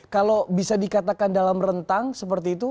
kalau bisa dikatakan dalam rentang seperti itu